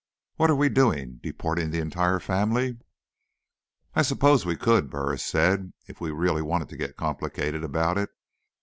What are we doing, deporting the entire family?" "I suppose we could," Burris said, "if we really wanted to get complicated about it.